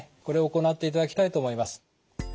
これを行っていただきたいと思います。